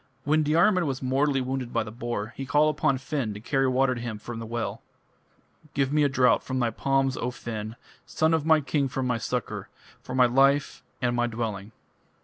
When Diarmid was mortally wounded by the boar, he called upon Finn to carry water to him from the well: Give me a draught from thy palms, O Finn, Son of my king for my succour, For my life and my dwelling.